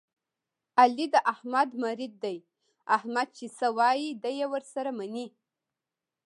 علي د احمد مرید دی، احمد چې څه وایي دی یې ور سره مني.